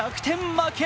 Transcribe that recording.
負け。